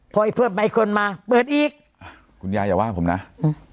พออีกเพื่อนไปอีกคนมาเปิดอีกคุณยายอย่าว่าผมนะอืม